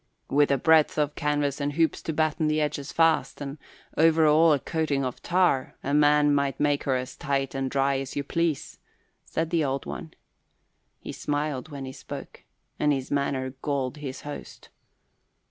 "With a breadth of canvas and hoops to batten the edges fast, and over all a coating of tar, a man might make her as tight and dry as you please," said the Old One. He smiled when he spoke and his manner galled his host.